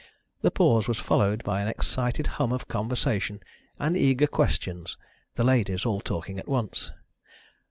The pause was followed by an excited hum of conversation and eager questions, the ladies all talking at once.